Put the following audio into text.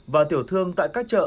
và tiểu thương tại các trợ